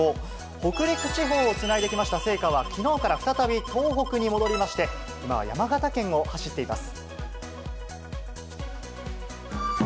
北陸地方をつないできました聖火は、きのうから再び東北に戻りまして、今は山形県を走っています。